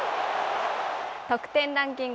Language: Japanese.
得点ランキング